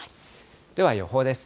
では、予報です。